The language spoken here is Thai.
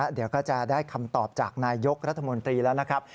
เดี๋ยวก็จะได้คำตอบจากนายยกรัฐมนตรีแล้วนะครับ